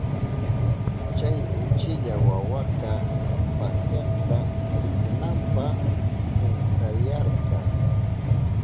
Chay uchilla wawaka pasyakta rikunanpa kunkayarka.